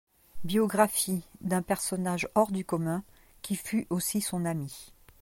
Biographie d'un personnage hors du commun qui fut aussi son ami.